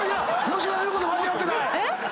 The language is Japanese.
吉田の言うこと間違ってない。